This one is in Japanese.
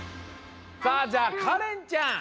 さあじゃあかれんちゃん！